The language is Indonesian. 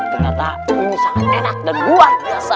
ternyata sangat enak dan luar biasa